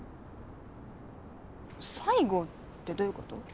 最後ってどういうこと？